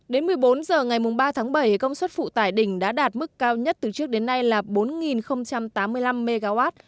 đến một mươi bốn h ngày ba tháng bảy công suất phụ tải đỉnh đã đạt mức cao nhất từ trước đến nay là bốn tám mươi năm mw